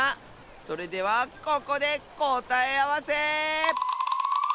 それではここでこたえあわせ！